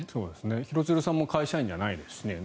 廣津留さんも会社員じゃないですしね。